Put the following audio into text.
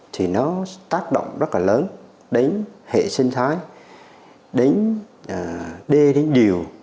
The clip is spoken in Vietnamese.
thì nó tác động rất là lớn đến hệ sinh thái đến đê đến điều